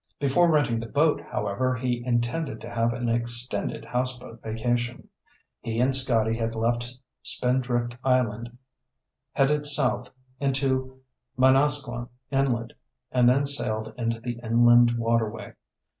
Before renting the boat, however, he intended to have an extended houseboat vacation. He and Scotty had left Spindrift Island, headed south into Manasquan Inlet, and then sailed into the inland waterway.